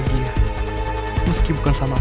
lu harus bertahan mona